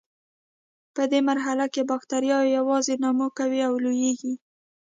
په دې مرحله کې بکټریاوې یوازې نمو کوي او لویږي.